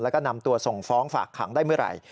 แล้วก็นำตัวส่งฟ้องฝากขังได้เมื่อไหร่